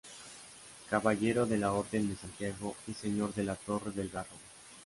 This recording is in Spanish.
Caballero de la Orden de Santiago y señor de la Torre del Garro.